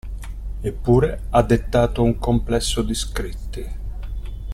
Eppure, ha dettato un complesso di scritti.